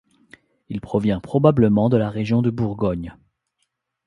Il provient probablement de la région de Bourgogne.